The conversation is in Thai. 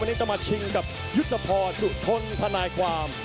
วันนี้จะมาชิงกับยุทธพรสุทนทนายความ